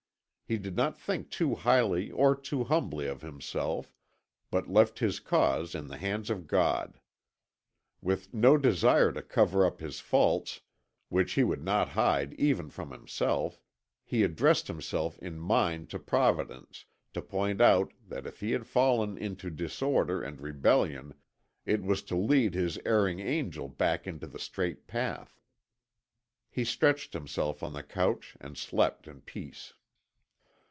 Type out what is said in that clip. He did not think too highly or too humbly of himself, but left his cause in the hands of God. With no desire to cover up his faults, which he would not hide even from himself, he addressed himself in mind to Providence, to point out that if he had fallen into disorder and rebellion it was to lead his erring angel back into the straight path. He stretched himself on the couch and slept in peace.